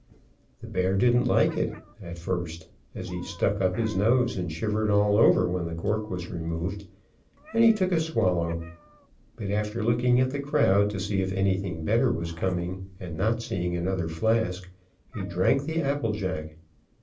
The bear didn't like it, at first, as he stuck up his nose and shivered all over when the cork was removed, and he took a swallow, but after looking at the crowd to see if anything better was coming, and not seeing another flask, he drank the apple jack.